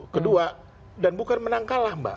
kedua dan bukan menang kalah mbak